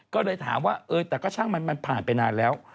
ก็เลยถามว่าเออแต่ก็ช่างมันผ่านไปนานแล้ว